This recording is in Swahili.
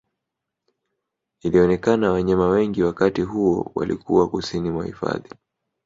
Ilionekana wanyama wengi wakati huo walikuwa kusini mwa hifadhi